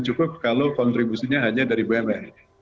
cukup kalau kontribusinya hanya dari bumn